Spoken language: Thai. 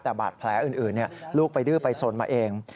แต่บาดแผลอื่นลูกไปดื้อไปสนมาเอง